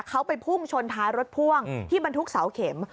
เขาไปพุ่งชนท้ายรถพ่วงที่บรรทุกเสาเข็ม